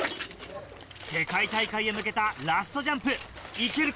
世界大会へ向けたラストジャンプ行けるか？